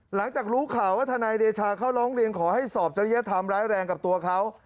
หลังจากรู้ข่าวว่าทนายเดชาเขาร้องเรียนขอให้สอบจริยธรรมร้ายแรงกับตัวเขา